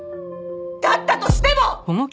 だったとしても！